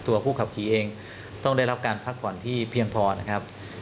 ผู้ขับขี่เองต้องได้รับการพักผ่อนที่เพียงพอนะครับ